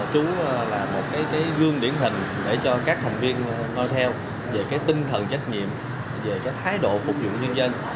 chú là một cái gương điển hình để cho các thành viên nói theo về cái tinh thần trách nhiệm về thái độ phục vụ nhân dân